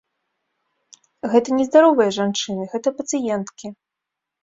Гэта не здаровыя жанчыны, гэта пацыенткі.